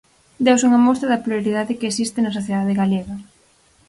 Deuse unha mostra da pluralidade que existe na sociedade galega.